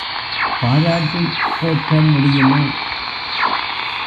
பாராட்டிப் போற்ற முடியுமா?